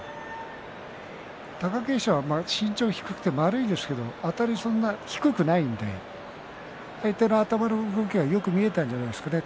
貴景勝は身長が低くて丸いですけれどもあたりはそんなに低くないので相手の頭の動きがよく見えたんじゃないですかね